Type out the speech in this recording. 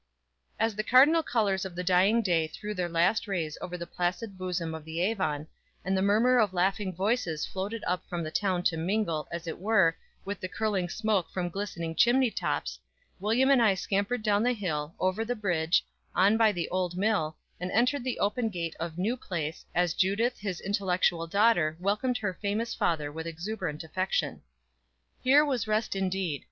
As the cardinal colors of the dying day threw their last rays over the placid bosom of the Avon, and the murmur of laughing voices floated up from the town to mingle, as it were, with the curling smoke from glistening chimney tops, William and I scampered down the hill, over the bridge, on by the old mill, and entered the open gate of "New Place," as Judith, his intellectual daughter, welcomed her famous father with exuberant affection. Here was rest indeed.